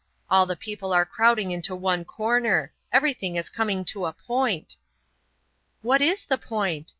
All the people are crowding into one corner. Everything is coming to a point." "What is the point?"